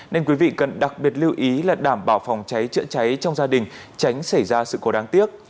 nên quý vị cần đặc biệt lưu ý là đảm bảo phòng cháy chữa cháy trong gia đình tránh xảy ra sự cố đáng tiếc